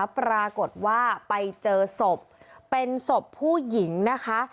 ปรากฏว่าไปเจอศพเป็นศพผู้หญิงนะคะ